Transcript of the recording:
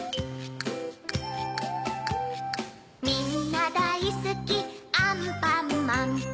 みんなだいすきアンパンマンと